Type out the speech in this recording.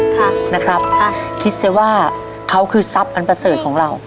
ค่ะนะครับอ่ะคิดสิว่าเขาคือทรัพย์อันประเสริฐของเรา